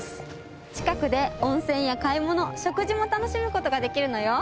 近くで温泉や買い物食事も楽しむ事ができるのよ。